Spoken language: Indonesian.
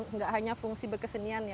enggak hanya fungsi berkesenian